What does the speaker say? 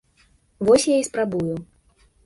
Вось я і спрабую.